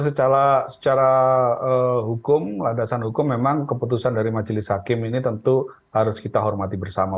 secara hukum ladasan hukum memang keputusan dari majelis hakim ini tentu harus kita hormati bersama